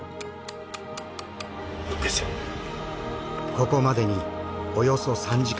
ここまでにおよそ３時間。